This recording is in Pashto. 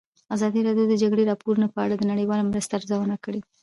ازادي راډیو د د جګړې راپورونه په اړه د نړیوالو مرستو ارزونه کړې.